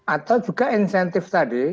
atau juga insentif tadi